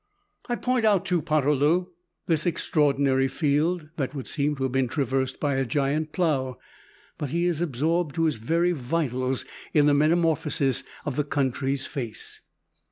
I point out to Poterloo this extraordinary field, that would seem to have been traversed by a giant plow. But he is absorbed to his very vitals in the metamorphosis of the country's face.